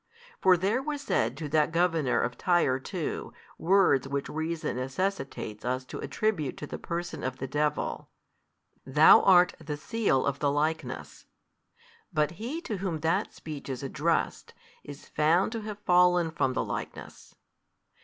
For there was said to that governor of Tyre too, words which reason necessitates us to attribute to the person of the devil, Thou art the seal of the likeness: but he to whom that speech is addressed, is found to have fallen from the likeness.